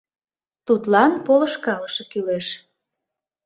Тудлан полышкалыше кӱлеш».